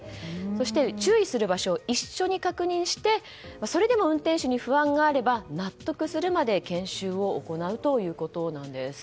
そして注意する場所を一緒に確認してそれでも運転手に不安があれば納得するまで研修を行うということです。